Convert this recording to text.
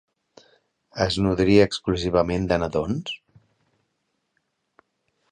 Es nodria exclusivament de nadons?